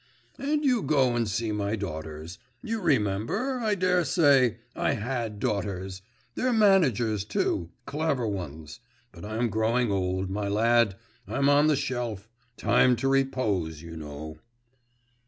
'And you go and see my daughters. You remember, I daresay, I had daughters. They're managers too … clever ones. But I'm growing old, my lad; I'm on the shelf. Time to repose, you know.